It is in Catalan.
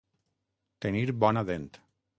Tenir bona dent.